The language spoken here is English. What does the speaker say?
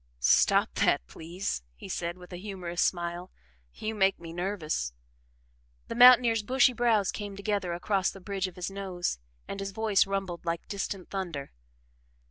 "Stop that, please," he said, with a humourous smile. "You make me nervous." The mountaineer's bushy brows came together across the bridge of his nose and his voice rumbled like distant thunder.